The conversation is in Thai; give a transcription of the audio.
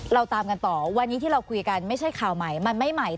เราตามกันต่อวันนี้ที่เราคุยกันไม่ใช่ข่าวใหม่มันไม่ใหม่